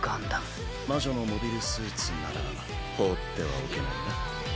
魔女のモビルスーツなら放ってはおけないな。